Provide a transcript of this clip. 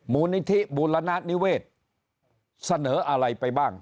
มูลนิธิบูรณนิเวศเสนออะไรไปบ้าง